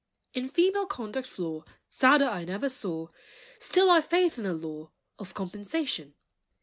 In female conduct flaw Sadder I never saw, Still I've faith in the law Of compensation.